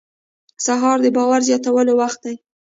سهار د باور زیاتولو وخت دی.